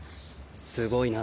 すごいな。